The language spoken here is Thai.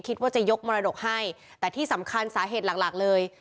คิดว่าจะยกมรดกให้แต่ที่สำคัญสาเหตุหลักหลักเลย